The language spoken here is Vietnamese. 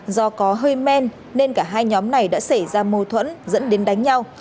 do có hơi men nên cả hai nhóm này đã xảy ra mâu thuẫn dẫn đến đánh nhau